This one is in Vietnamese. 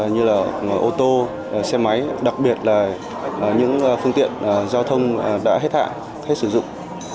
như là ô tô xe máy đặc biệt là những phương tiện giao thông đã hết hạn hết sử dụng